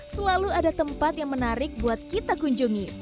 selalu ada tempat yang menarik buat kita kunjungi